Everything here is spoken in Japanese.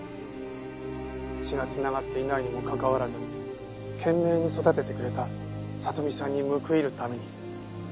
血が繋がっていないにもかかわらず懸命に育ててくれた里美さんに報いるために。